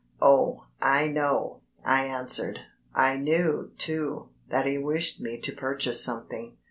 "Oh, I know," I answered. I knew, too, that he wished me to purchase something.